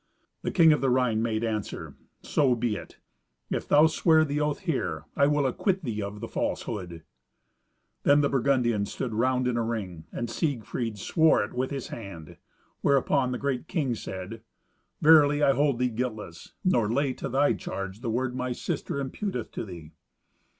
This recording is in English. The king of the Rhine made answer, "So be it. If thou swear the oath here, I will acquit thee of the falsehood." Then the Burgundians stood round in a ring, and Siegfried swore it with his hand; whereupon the great king said, "Verily, I hold thee guiltless, nor lay to thy charge the word my sister imputeth to thee."